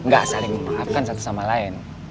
gak saling memaafkan satu sama lain